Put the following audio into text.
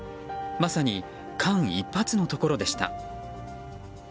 まさに間一髪のところでした。